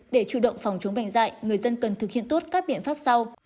để chủ động phòng chống bệnh dạy người dân cần thực hiện tốt các biện pháp sau